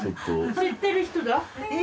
知ってる人だ？